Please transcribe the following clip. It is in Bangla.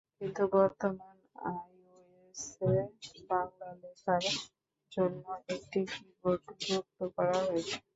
কিন্তু বর্তমানে আইওএসে বাংলা লেখার জন্য একটি কিবোর্ড যুক্ত করা হয়েছে।